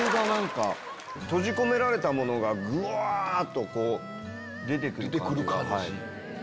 閉じ込められたものがぐわっと出てくる感じ。